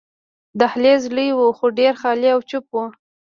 دهلېز لوی وو، خو ډېر خالي او چوپ وو.